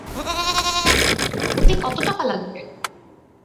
ওতে কত টাকা লাগবে?